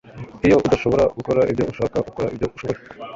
Iyo udashobora gukora ibyo ushaka ukora ibyo ushoboye